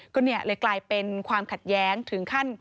ก็เลยกลายเป็นความขัดแย้งถึงขั้น